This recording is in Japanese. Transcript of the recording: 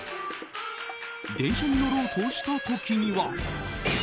電車に乗ろうとした時には。